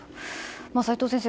齋藤先生